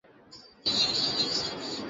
কিন্তু আমরা দুজনে মিলে এটা ঠিক করব।